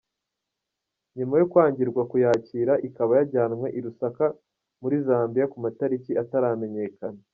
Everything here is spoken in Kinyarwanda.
Nyuma yo kwangirwa kuyakira ikaba yajyanwe i Lusaka muri Zambia ku matariki ataramenyekana.